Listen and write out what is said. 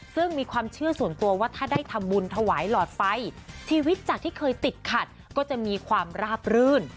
ซึ่งมีความเชื่อส่วนตัวว่าถ้าได้ทำบุญถวายหลอดไฟชีวิตจากที่เคยติดขัดก็จะมีความราบรื่น